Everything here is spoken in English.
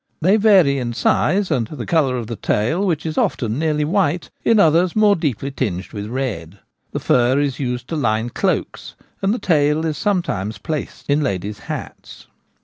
They vary in size and the colour of the tail, which is often nearly white, in others more deeply tinged with red. The fur is used to line cloaks, and the tail is some times placed in ladies' hats.